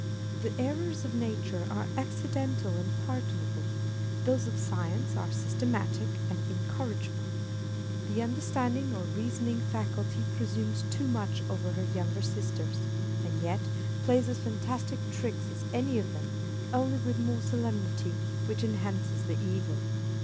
The errors of nature are accidental and pardonable ; those of science are systematic and incorrigible. The understanding or reasoning faculty 346 On People of Sense. presumes too much over her younger sisters ; and yet plays as fantastic tricks as any of them, only with more solemnity, which enhances the evil.